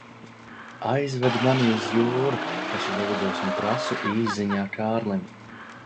"Aizved mani uz jūru!" es lūdzos un prasu īsziņā Kārlim.